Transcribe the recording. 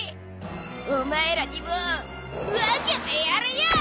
お前らにも分けてやるよ！